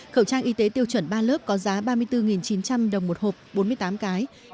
khẩu trang y tế tiêu chuẩn ba lớp có giá ba mươi bốn chín trăm linh đồng một hộp bốn mươi tám cái